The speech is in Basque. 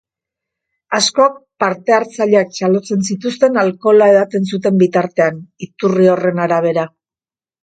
Askok partehartzaileak txalotzen zituzten alkohola edaten zuten bitartean, iturri horren arabera.